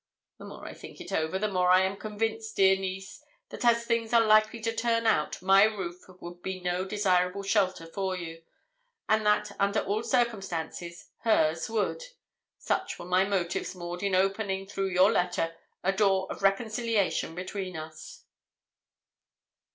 The more I think it over, the more am I convinced, dear niece, that as things are likely to turn out, my roof would be no desirable shelter for you; and that, under all circumstances, hers would. Such were my motives, Maud, in opening, through your letter, a door of reconciliation between us.'